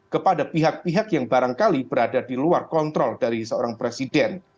kepada pihak pihak yang barangkali berada di luar kontrol dari seorang presiden